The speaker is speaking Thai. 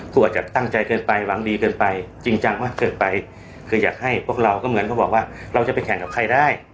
คืออยากให้พวกเราก็เหมือนเขาบอกว่าเราจะไปแข่งกับใครได้